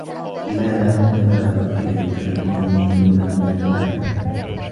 إذَا عَلِمْت فَلَا تُفَكِّرْ فِي كَثْرَةِ مَنْ دُونَك مِنْ الْجُهَّالِ